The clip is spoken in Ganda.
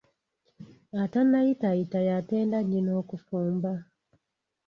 Atannayitaayita y’atenda nnyina okufumba.